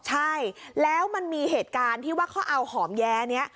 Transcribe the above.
ใช่แล้วมันมีเหตุการณ์ที่ว่าเขาเอาหอมแย้นี้